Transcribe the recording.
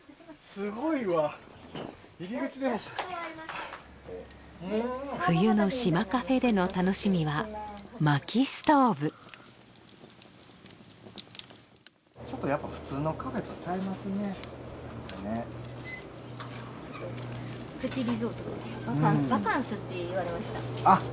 すごいわ入り口でも冬の島カフェでの楽しみは薪ストーブちょっとやっぱ普通のカフェとちゃいますねプチリゾートです「バカンス」って言われましたあっ